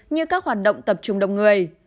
như các hoạt động tập trung đông người